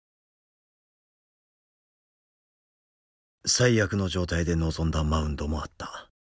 最悪の状態で臨んだマウンドもあった。